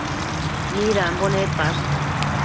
Midambo nepash?